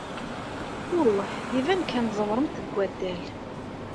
Uh, iban kan tẓewremt deg waddal.